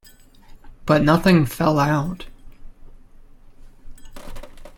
But nothing fell out.